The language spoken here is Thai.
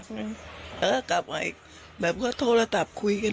เธอก็จะเป็นท่านบันเตอร์